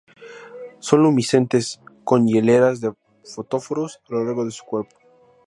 Son luminiscentes, con hileras de fotóforos a lo largo de su cuerpo.